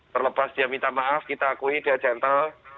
terlepas dia minta maaf kita akui dia gentle